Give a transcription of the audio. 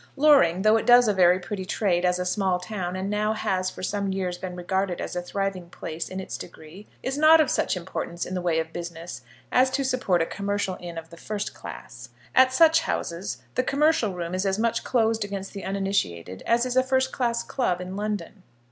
Loring, though it does a very pretty trade as a small town, and now has for some years been regarded as a thriving place in its degree, is not of such importance in the way of business as to support a commercial inn of the first class. At such houses the commercial room is as much closed against the uninitiated as is a first class club in London.